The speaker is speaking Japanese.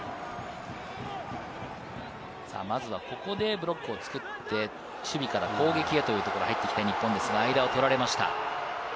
まずはここでブロックを作って、守備から攻撃へというところ、入っていきたい日本ですが、間を取られました。